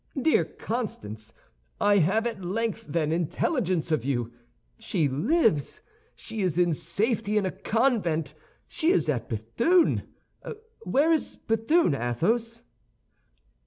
"Dear Constance! I have at length, then, intelligence of you. She lives; she is in safety in a convent; she is at Béthune! Where is Béthune, Athos?"